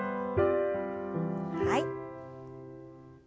はい。